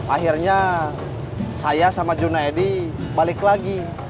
akhirnya saya sama junaidi balik lagi